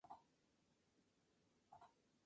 El nombre deriva de la impresión de un cerdo en reverso.